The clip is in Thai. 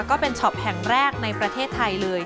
ก็เป็นช็อปแห่งแรกในประเทศไทยเลย